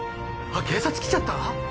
あっ警察来ちゃった？